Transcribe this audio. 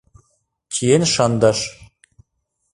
Чиен шындыш.